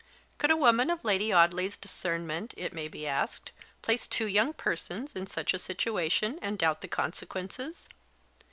Could a woman of Lady Audley's discernment, it may be asked, place two young persons in such a situation, and doubt the consequences?